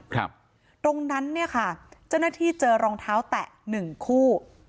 ตรงนั้นเนี่ยค่ะเจ้าหน้าที่เจอรองเท้าแตะหนึ่งคู่